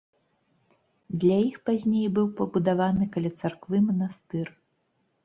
Для іх пазней быў пабудаваны каля царквы манастыр.